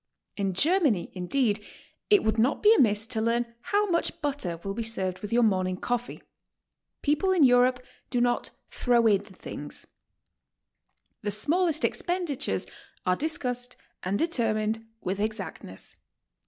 In Germany, indeed, it would not be amiss to learn how much butter will be served with your morning coffee. People in Europe do not "throw in" things. The 146 GOING ABROAD? smallest expenditures are discussed and determined with ex actness.